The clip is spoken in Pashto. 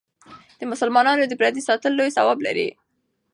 د مسلمان د پردې ساتل لوی ثواب لري.